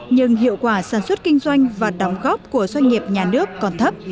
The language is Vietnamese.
nhưng hiệu quả sản xuất kinh doanh và đóng góp của doanh nghiệp nhà nước còn thấp